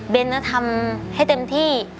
เบนจะทำให้เต็มที่